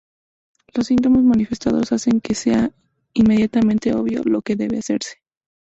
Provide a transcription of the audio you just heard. Los síntomas manifestados hacen que sea inmediatamente obvio lo que debe hacerse.